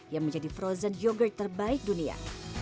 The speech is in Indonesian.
yang menjadi frozen yogurt terbaik dunia